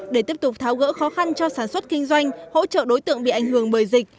để tiếp tục tháo gỡ khó khăn cho sản xuất kinh doanh hỗ trợ đối tượng bị ảnh hưởng bởi dịch